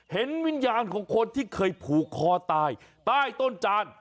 เห็นวิญญาณของคนที่เคยผูกคอตายใต้ต้นจาน